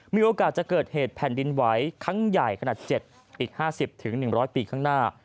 มีโอกาสจะเกิดเหตุแผ่นดินไหวครั้งใหญ่ขนาด๗อีก๕๐๑๐๐ปีข้างหน้า